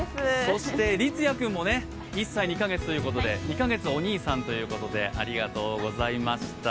そして、りつや君も１歳２か月ということで、２か月お兄さんということでありがとうございました。